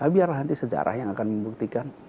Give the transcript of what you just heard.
biarlah nanti sejarah yang akan membuktikan